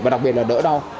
và đặc biệt là đỡ đau